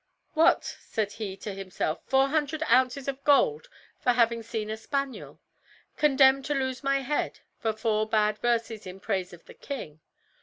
"What," said he to himself, "four hundred ounces of gold for having seen a spaniel! condemned to lose my head for four bad verses in praise of the king!